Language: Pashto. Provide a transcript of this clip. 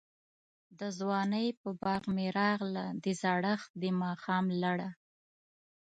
دځوانۍپه باغ می راغله، دزړښت دماښام لړه